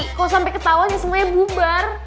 kalo sampe ketahuan ya semuanya bubar